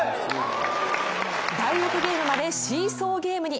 第６ゲームまでシーソーゲームに。